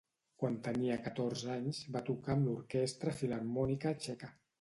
Quan tenia catorze anys va tocar amb l'Orquestra Filharmònica Txeca.